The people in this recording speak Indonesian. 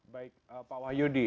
baik pak wahyudi